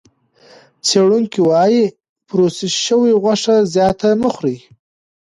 څېړونکي وايي پروسس شوې غوښه زیاته مه خورئ.